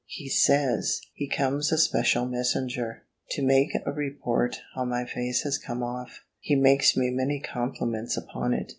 He says, he comes a special messenger, to make a report how my face has come off. He makes me many compliments upon it.